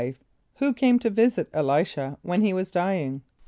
= Who came to visit [+E] l[=i]´sh[.a] when he was dying?